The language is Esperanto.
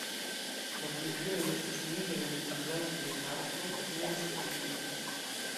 La flugiloj estas nigraj kun blankaj markoj meze kaj pinte.